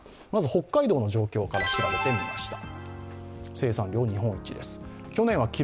北海道の状況から調べてみました。